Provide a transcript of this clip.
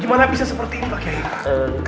gimana bisa seperti ini pak ya yuk